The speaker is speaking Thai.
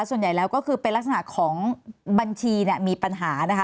ส่วนใหญ่แล้วก็คือเป็นลักษณะของบัญชีเนี่ยมีปัญหานะคะ